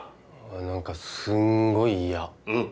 何かすんごい嫌うん